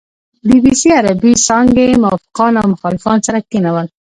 بي بي سي عربې څانګې موافقان او مخالفان سره کېنول.